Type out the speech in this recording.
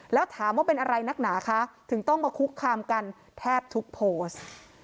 แล้วถามว่าเป็นอะไรนักหนาคะถึงต้องมาคุกคามกันแทบทุกโพสต์